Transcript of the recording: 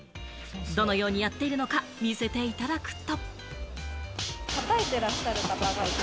どのようにやっているのか見せていただくと。